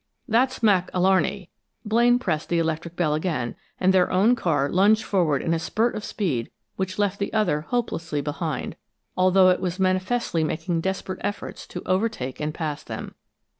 "That's Mac Alarney." Blaine pressed the electric bell again, and their own car lunged forward in a spurt of speed which left the other hopelessly behind, although it was manifestly making desperate efforts to overtake and pass them.